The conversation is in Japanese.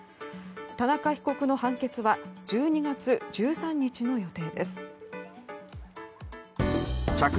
田中被告の判決は１２月１３日の予定です。